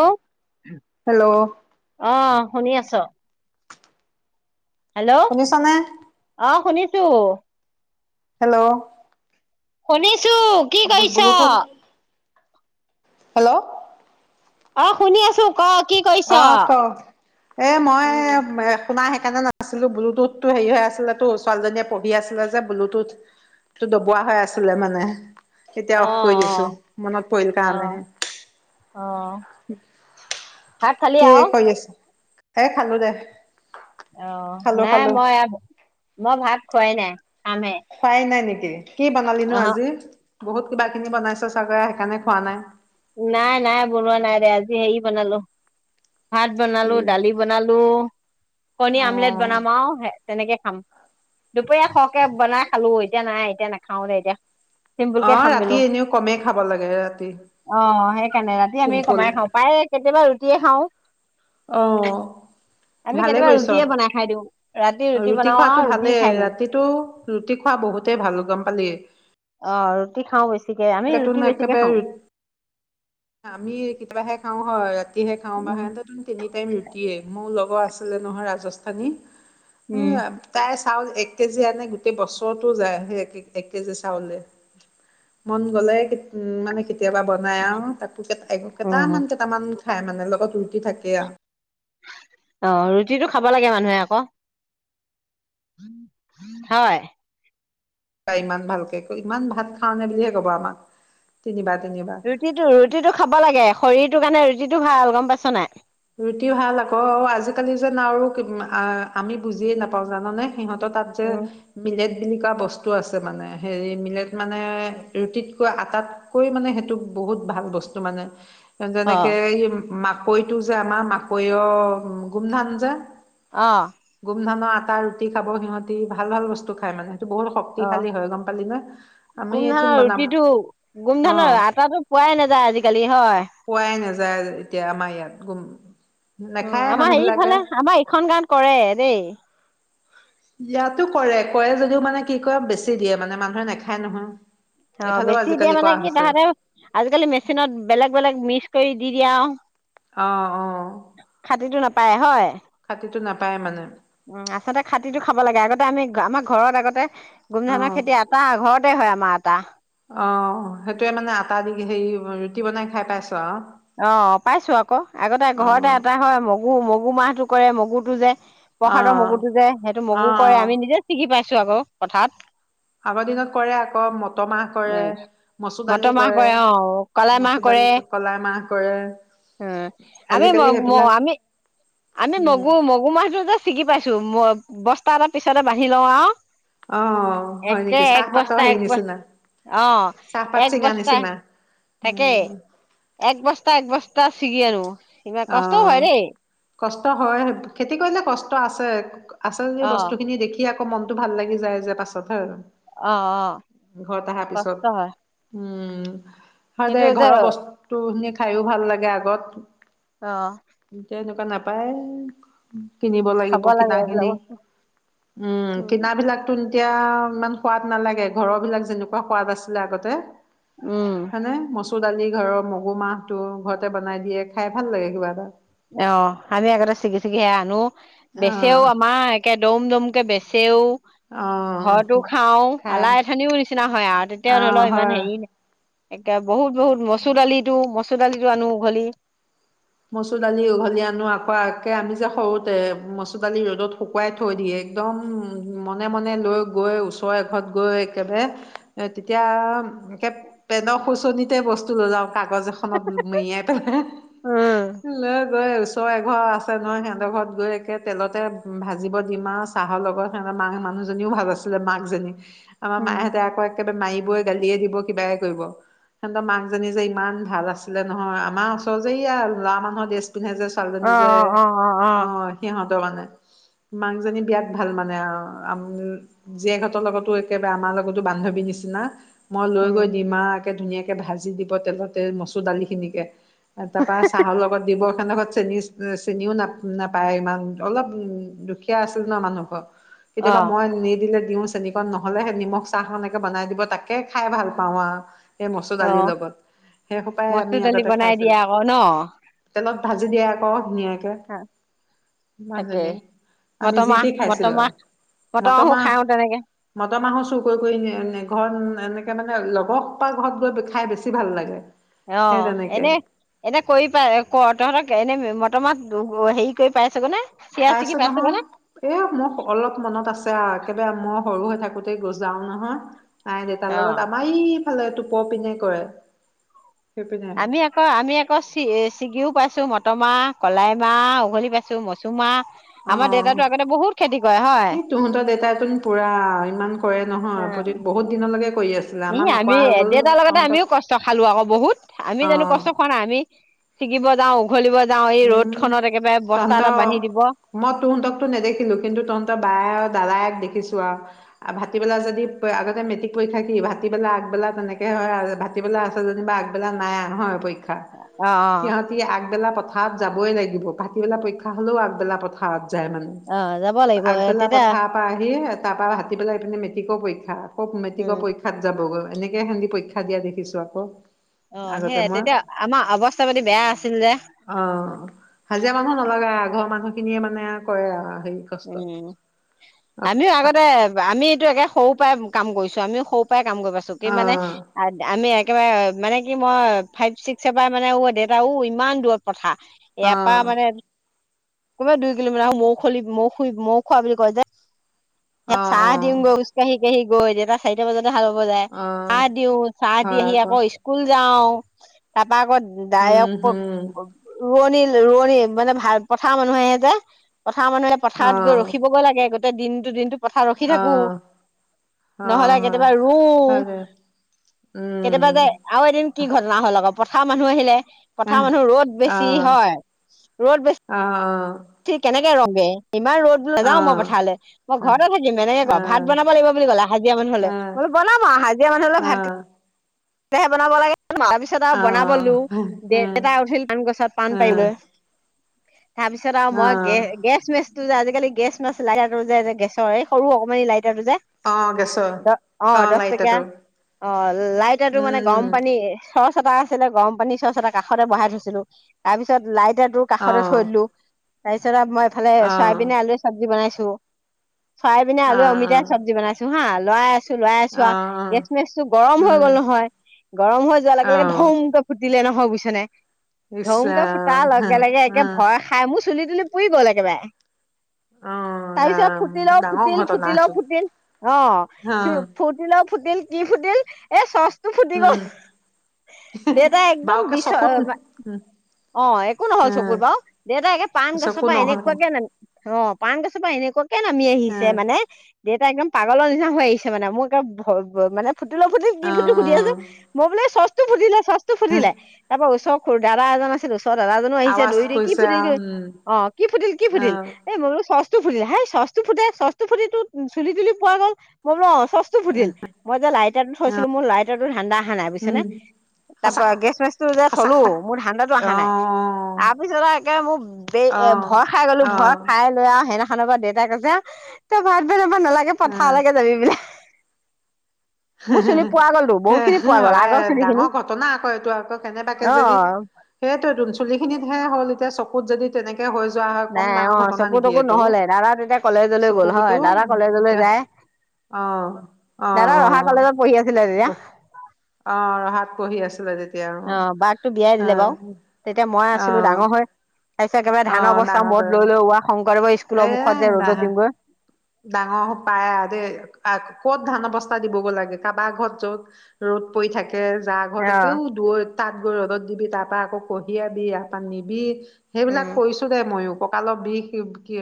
অ hello অহ শুনি আছ ছ হেল্ল' শুনিছানে? অ শুনিছ [unintelligible] হেল্ল'। শুনিচ চু কি কৰিছ? বুলুতো হেল্ল'। অ শুনি আছো ক। কি কৰিছ অ ক এ মই উম শুনা সেইকাৰণে নাছিলো ব্লুটুথটো হেৰি হৈ আছিল তো ছোৱালীজনীয়ে পঢ়ি আছিলে যে ব্লুটুথটো দবোৱা হৈ আছিলে মানে। কেতিয়া অ অফ কৰি দিছো মনত পৰিল অ অ কাৰণেহে। অ ভাত খালি আও? হেই খালো দে। অ খালো নাই খালো মই, মই ভাত খোৱাই নাই। খামহে খোৱাই নাই নকি? [unintelligible] কি বানালি নো অহ আজি? বহুত কিবা কিনি বনাইছে চাগে সেইকাৰণে খোৱা নাই। নাই নাই বনোৱা নাই ৰে আজি সেই বনালো ভাত কি বনালো, দালি বনালো। কনি আমলেট অ' বনাম আৰু শেষ তেনেকে খাম, দুপৰীয়া খৰকে বনাই খালো এতিয়া নাই, এতিয়া নাখাও দে এতিয়া। চিম্পুল অ কে খাম বোলো ৰাতি এনেও কমেই খাব লাগে ৰাতি। আহ্ সেইকাৰণে ৰাতি আমি চিম্পুল কমাই খাওঁ প্ৰায় কেতিয়াবা ৰুটিয়ে খাওঁ অ আমি ভালে কেতিয়াবা কৰিছ ৰুটিয়ে বনাই খাই দিওঁ ৰাতি ৰুটি বনাও খোৱাতটো আৰু ৰুটি ভালেই খাই দিওঁ ৰাতিটো ৰুটি খোৱা বহুতেই ভাল গম পালি অ ৰুটি খাও বেছিকে আমি তোন ৰুটি বেছিকে একেবাৰে খাওঁ ৰু- কৰাত ইহে খাওঁ বা উম হয়ে তিনি টাইম ৰুটিয়ে মোৰ লগৰ আছে নহয় ৰাজস্থানৰ আনি উম তাই চাউল এক কেজি আনে গোটেই বছৰতো যায় সেই এক কেজি চাউলে মন গলে উম মানে কেতিয়াবা বনাই আৰু তাকো উম কেইটামান কেইটামান খাই মানে লগত ৰুটি থাকে থাকে আৰু অ ৰুটিটো খাব লাগে মানুহে আকৌ হয় হয় ইমান ভালকে ইমান ভাত খাও নে বুলিহে কব আমাক তিনিবাৰকে ৰুটিটো ৰুটিটো খাব লাগে শৰীৰটোৰ কাৰণে ৰুটিটো ভাল গম পাইছ নাই ৰুটি ভাল আকৌ অ আজিকালি যেন আৰু আমি বুজিয়ে নাপাও জানানে সিহঁত তাত যে উম মিলে তেনেকুৱা বস্তু আছে মানে হেৰি মিলেট মানে ৰুটিতকৈ আটাতকৈ মানে সেইটো বহুত ভাল বস্তু মানে তেওঁ অ যেনেকে এই মা টো যে আমাৰ মাকৈয় গোমধান যে অ গোমধানৰ আ ৰুটি খাব সিহঁতি ভাল ভাল বস্তু খাই মানে বহুত অ শক্তিশালী হয় গম পালি ন আমি গোম এইটো ধানৰ বনাব ৰুটিটো গোম অ ধানৰ আটাটো পোৱাই নাযায় আজিকালি হয় পোৱাই নাযায় এতিয়া আমাৰ ইয়াত গোম উম আমাৰ এইফালে আমাৰ এইখন গাঁওত কৰে দেই ইয়াতো কৰে কৰে যদিও মানে কি কয় বেছি দিয়ে মানে মানুহে নাখায় নহয় অ এইফালেও বেছি দিয়া আজিকালি মানে কৰা কি হৈছে তাহাতে আজিকালি মেচিনত বেলেগ বেলেগ মিক্স কৰি দি দিয়ে আৰু অ অ পায় হয় খাতিটো নাপায় মানে উম আচলতে খাতিটো খাব লাগে আগতে আমি আমাৰ ঘৰত আগতে অ গোমধানৰ খেতি আটা ঘৰতে হয় আমাৰ মাত আটা অ সেইটোয়ে মানে আটা দি হেৰি ৰুটি বনাই খাই পাইছোঁ আৰু অ পাইছো আকৌ আগতে অ ঘৰতে অ এটা হয় মগু মগুৰ মাহটো কৰে মগুটো যে প্ৰসাদৰ মগুটো যে সেইটো অ অ মগু কৰে আমি নিজে চিকি পাইছো ৰুছ কৌ পথাৰত আগৰ দিনত কৰে আকৌ মটৰ মাহ কৰে উম মচুৰ মটৰ দালি মাহ কৰে অ মচুৰ দালি কলাই মাহ কৰে উ আমি আজিকালি সেইবিলাক আমি আমি উম মগু মগু মাটোত ছিগি পাইছো তো মই বস্তা এটটা পিছতে বাঢ়ি লওঁ আৰু অ হয় একে নেকি এক চাহপাতৰ বস্তা হেৰি এক বস্তা নিচিনা অ চাহপাত এক চিঙা বস্তা নিচিনা তাকেই এক বস্তা এক বস্তা পোৰা ছিগী আৰু অ কষ্ট হয় খেতি কৰিলে কষ্ট আছে আছে যদি অ বস্তুখিনি দেখি আকৌ মনতো ভাল লাগি যায় যে পাছতহে আৰু অ আহ কষ্ট হয় উম [unintelligible] হয় দে কিন্তু যে ঘৰৰ বস্তুু খায়ো ভাল লাগে আগত আহ নাপায়ে কিনিব খাব লাগিব লাগে কিনা এইবিলাক খিনি বস্তু। উম কিনাাবলাকতো এতিয়া ইমান সোৱাদ নালাগে ঘৰৰ বিলাক যেনেকুৱা সোৱাদ আছিলে আগতে উম হয নে মচুৰ দালি ঘৰৰ মগু মাহ টো ঘৰতে বনাই দিয়ে খাই ভাল লাগে কিবা এটা অ আমি আগতে ছিগি ছিগি সেয়া আনো অ বেচিও আমাৰ একে দম দম কে বেচেও অ ঘৰতো খাও খাই আলাহ এথানিও নিচিনা হয় আৰু তেতিয়া অ ধৰি লও ইমান হয় হেৰি নাই একে বহুত বহুত মচুৰ দালিটো মচুৰ দালিটো আনো উঘলি মচুৰ দালি উঘলি আনো আকৌ একে আমি যে সৰুতে মচুৰ দালি ৰ'দত শুকুৱাই থৈ দিয়ে একদম মনে মনে লৈ গৈ ওচৰ এ ঘৰত গৈ একেবাৰে তেতিয়া একে পেনৰ খুচনিতে বস্তু লৈ যাওঁ কাগজ এখনত মেৰিয়াই পেলাই উম লৈ গৈ ওচৰ এ ঘৰ আছে নহয় সিহঁতৰ ঘৰত গৈ একে তেলতে ভাজিব দিম আৰু চাহৰ লগত সিহঁতৰ মাক মানুহজনীও ভাল আছিলে মাকজনী আমাৰ উম মাহঁতে আকৌ এক মাৰিবই গালিয়ে দিব কিবাই কৰিব সিহতৰ মাক জানি যে ইমান ভাল আছিলে নহয় আমাৰ ওচৰতে এয়া লাৰা মানুহৰ দেছ পিন্ধনে যে অ অ ছোৱালীজনী যে অ অ সিহতৰ মানে মাক জনী বিৰাট ভাল মানে আ জীয়েহঁতৰ লগতো একেবাৰে আমাৰ লগতো বান্ধৱীৰ নিচিনা মই লৈ উম গৈ দিমা ধুনীয়াকে ভাজি দিব তেলতে মচুৰ দালিখিনিকে তাৰপৰা চাহৰ লগত দিব সিহঁতৰ ঘৰত চেনি চেনিও ন নাপায় ইমান অলপ দুখীয়া আছিল ন মানুহ ঘৰ কেতিয়াবা অ', মই নি দিলে দিওঁ চেনিকন নহ'লে সেই নিমখ চাহ এনেকে বনাই দিব তাকে খাই ভাল পাওঁ আৰু এই মচুৰ দালিৰ অ', লগত সেই সোপায়ে মচুৰ আমি দালি আগতে বনাই দিয়া খাইছিলো আকৌ ন অলপ ভাজি দিয়ে আক ধুনীয়াকে হ তাকেই মানুহজনীয়ে আমি যি মটমাহ টি খাইছিলো মটমাহ মটৰ মটমাহো মাহ খাও তেনেকে মটৰ মাহৰ চুৰ কৰি কৰি ঘৰত এনেকে মানে লগৰ পৰা ঘৰত গৈ খাই বেছি ভাল লাগে সেই আহ তেনেকে এনেই এনেই কৰি পাই ক তহঁতক এনে মটৰ নাহ হেৰি কৰি পাই চগে নে চিৰা ছিগি পাইছো পাইছগৈ নহয় নে? এ মোক অলপ মনত আছে আৰু একোৰে মই সৰু হৈ থাকোতেই গৈছিলে যাও নহয়। নাই দেতাৰ লগত অ', আমাৰ ই ফালে টোপৰ পিনে কৰে সেইপিনে আমি আকৌ আমি আকৌ চি ছিগিও পাইছো পাইছোঁ মটৰ মাহ, কলাই মাহ উঘলি পাইছোঁ, মচুমাহ অ এ হয়। তহঁতৰ দেউেতাইত পুৰা ইমান কৰে নহয়। প্ৰতি বহুত দিনলৈকে কৰি আছে। ই আমি দেউতাৰ লগতে আমিও কষ্ট খালো আকৌ বহুত, আমি অ জনো কষ্ট খোৱা নাই? আমি শিকিিবজাওঁ উম তহত এটা বান্ধি দিব মই তহঁতকটো নেদেখিলো কিন্তু তহঁতৰ বায়ে আৰু দাদাই দেখিছোঁ। ভাতিবেলা যদি আগতে মেট্ৰিক পৰীক্ষা কি ভাতিবেলা আগবেলা তেনেকে হয়। ভাতিবেলা আছে যেনিবা আগবেলা নাই নহয় পৰীক্ষা অ অ সিহঁতি আগবেলা প্ৰথম পথাৰত যাবই লাগিব ভাতিবেলা পৰীক্ষা হ'লেও আগবেলা পথাৰত। যাই মানে। অ যাব লাগিব এ আগবেলা তেতিয়া পথাৰ পৰা আহি তাৰ পৰাা হতি পেলাই পিনে মেট্ৰিকৰ পৰীক্ষা আকৌ উম মেট্ৰিকৰ পৰীক্ষাত যাবগৈ। এনেকে সিহঁতি পৰীক্ষা দিয়া দেখিছো আকৌ। অ আগতে সেয়াই মই তেতিয়া আমাৰ অৱস্থা পাতি বেয়া আছিল যে। অ হাজিৰা মানুহো নলগা আ ঘৰ মানুহ। খিনিয়ে মানে কৰে আৰু। হেৰি কষ্ট উম। অ আমিও অ আগতে আমি একে সৰুৰ পৰাই কাম কৰিছো, আমি সৰু ই কাম কৰিবছো কি মানে আমি একেবাৰে মানে কি মই ফাইভ, ছিক্স এ পৰা মানে দেউতা ইমান দূৰত পথাৰ। এপা মানে অ কোনবা দুই কিলোমিটাৰ মৌ খুলি মৌ খু মৌ খোৱা বুলি কয় যে। চাহ অ দিওগে দিও গৈ দেতা চাৰিটা বজাত হাল বাব যায়। অ চাহ দিও, চাহ দি আহি আকৌ স্কুল যাওঁ। তপ বাগত দায়ক উম হম ৰোৱনী-ৰোৱনী মানে ভাল পথাৰ মানুহে যে? পথাৰ মানুহে অ পথাৰত গৈ ৰখিবগৈ লাগে। এদিন দিনটো পথাৰ ৰখি অ থাকো। অ নহ'লে হয় কেতিয়াবা ৰোও, হয় দে কেতিয়াবা উম যে আৰু এদিন কি ঘটনা হল আকো পথাৰ মানুহ আহিলে পথা আহ মানুহ ৰ'দ আহ বেছি হয়। অ ৰ'দ বেছি অ সি কেনেকে ৰখে? ইমান ৰ'দ অ নাযাও মই পথাৰলৈ মই অ ঘৰতে থাকিম এনেকে কওঁ, ভাত আহ বনাব লাগিব বুলি ক'লে হাজিৰা মানুহলে ম বনাবা হাজৰা মানুহলে ভাত কেহে বনাব লাগে [unintelligible] পিছত আৰু বনাবলৈ লো দে দেতাই উঠিল পান গছত পাণ পাৰিললৈ। তাৰ পিছত আৰু মই গে-গেছ মেচ আজিকালি গেছ নাই [unintelligible] যে গেছৰ এই সৰু অকমান লাইট যে? অ গেছৰ অহ অ দহ টকীয়া, লাইটাৰটো অ লাইট টো মানে গৰম উম উম পানী চচ এটা আছিলে গৰম পানী চচ এটা কাষতে বহাই থৈছিলো, তাৰ পিছত লাইট এতিয়া তোৰ অ কাষতে থৈ দিলোঁ। তাৰিছত মই এইফাল অ চৰাইবিনে আলুৰে চব্জি বনাইছো। দু চৰাইবিন, অ আলু, অ অমিতা, চব্জি বনাইছোঁ হা? লৈ আছো। লাই আছোৱা অ অ গেছ মেচটো গৰম হৈ উম গ'ল নহয়। হয় গৰম হৈ যোৱাৰ অ লগে-লগে ধমকাে ফু দিলে নহয় বুজিছে নে? ইচ ধমকে ফুটা ৰাম লগে-লগে অ একে ভয় খাই মোৰ চুলি-তুলি পুৰী গ'ল একেবাৰে। অ তাৰপিছত ৰাম ডাঙৰ ফুটিলও-ফুটিল, ঘটনাচোন ফুটিলও-ফুটিল অ অ ফুটিলও ফুটিল, কি ফুটিল? এ চচ ফুটি গল। উম দেউতাই একদম বাওকে বিচ চকুত অ একো নহল অ চকুৰ বাৰও, দেউতাক একে পাণ চকু গছৰপা নহল এনেকুৱাকে অ ন অ পাণ গছৰপা এনেকুৱ নামি আহিছে মানে দেউতা একদম পাগলৰ নিচিনা হৈ আহিছে মানে, মোৰ এটা মানে ফুটিল ও ফুটিল কি অ অ ফুটিল [unintelligible] মই বোলো এ চচ বুজিলে ফুটিলে। তাৰ পৰা ওচ মোৰ দাদা এজন আছিল ত দাদাজনো আহিছে আৱাজ দৰি-দৰি কি কৰিছে ফুটিল কে আৰু উম অহ কি ফুটিল কি অ ফুটিল? এই গৰু চচ ফুটিলে হেই চশ্তু ফুটে, চশ্তু ফুটি টো চুলি-তুলি পোৱা গ'ল। মই বোলো অহ চছটো ফুটিল, মই যে লাইট এইয়াত থৈছিলো মোৰ লাইট টো ধান্দা। অহা নাই বুইছ নে উম তাৰ সঁচাক পৰা গেছ মেচটো যে সঁচাক থলো চাক মোৰ ধান্দাটো অহা নাই আহ তাৰপিছত আৰু একে মোৰ ব এ আহ ভয় খাই গলো ভয় আহ খাই লৈ আৰু সে ন খ দেউতাক কৈছে তই ভাত ব নালাগে আহ পথাৰলৈকে নালাগে যাবি বোলে। মোৰ চিনি পোৱো গ'ল তো। এ হয় ডাঙৰ ঘটনা আকৌ এইটো আকৌ অ কেনেবাাকেইজনৰি‌। সেইয়টো এই তম চুলি খিনিতহে হ'ল তে চকুত যদি তেনেক হৈ যোৱা হয় কম নাই ডাঙৰ অ ঘটনা চকু নেকি তকু এইটো নহ'লে দাদা তেতিয়া কলেজলৈ চকু গ'ল হয় কতো দাদা কলেজলৈ এতিয়া যায় অ অ অ। দাদা ৰহা কলেজত পঢ়ি আছিলে তেতিয়া বহ অ ৰহাত পঢ়ি আছিলে তেতিয়া। আৰু অ বাযেটো বিয়াই অ দিলে বাৰু তেতিয়া মই অ আছিলো ডাঙৰ হৈ। তাৰ পিছত এইবাৰে অ ধানৰ ডাঙৰ বস্তা মূৰত লৈ লৈ ৱ শংকৰদেৱৰ তোলৰ মুখত যে ৰ'দত এ দিওঁগৈ। ডাঙৰ পায় দে, ক'ত ধানৰ বস্তা দিবগৈ লাগে, কাৰোবাৰ ঘৰত য'ত ৰ'দ পৰি থাকে তে যাৰ অ ঘৰত একেও দূৰৈত তাঁত গৈ ৰ'দত দিবি, তাৰপা আকৌ কঢ়িয়াবি, তাৰপ পৰা নিবি। উম সেইবিলাক কৈছো দে মইয়ো। ককালৰ বিষ কি।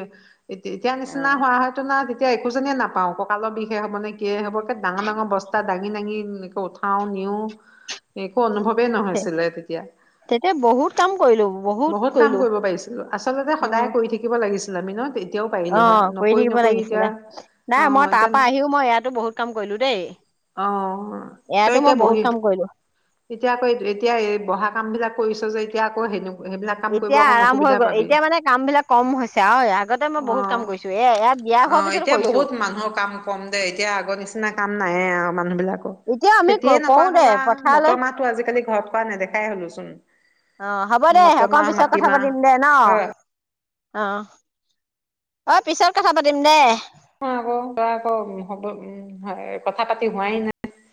এতিয়া নিচিনা অ হোৱা হয়। ন তেতিয়া একো জীয়ে নাপাও ককাল বিষে হ'ব নে কি হ'ব ডাঙৰ- ডাঙৰ বস্তা দাঙি-দাঙি ক উঠাও নিওঁ এক একো অনুভৱ একো নহয় ছিলে তেতিয়া তেতিয়া বহুত কাম কৰিলো বহুত কাম কৰিলো কৰিব পাৰিছিলো, আচলতে উম সদায় কৰি থাকিব লাগিছিল। লেমিনত এতিয়াও অ পাৰিলো হয়। ন কৰি থাকিব লাগিছিলে। নাই মই তাৰ পৰা আহিও মই ইয়াতো বহুত কাম কৰিলো দেই। অ তই ইয়াতো মই এতিয়া বহুত বহি কাম কৰিলো এতিয়া আকৌ এতিয়া এই বহা কামবিলাক কৰিছ যে এতিয়া আকৌ হেনক এতিয়া আৰাম হৈ গ'ল এতিয়া মানে কাম বিলাক কম হৈছে। অ আগতে মই অ বহুত কাম কৰিছো এ ইয়াৰ বিয়া অ হোৱাৰ পিছতো এতিয়া কৰিছো। বহুত মানুহৰ কাম কম দে এতিয়া আগৰ নিচিনা কাম নাই এয়া মানুহ বিলাক। এতিয়া আমি খেতিয়ে নকৰা কৰো দে হ'ল আৰু পথাৰলৈ মটৰমাহ টো আজিকালি ঘৰত হোৱা দেখাই হ'লো চোন। অ হ'ব দে, অকণ পিছত কথা পাতিম দে ন? হয় অহ। অহ পিছত কথা পাতিম দেই। আকৌ-আকৌ হব উ কথা পাতি হোৱাই নাই।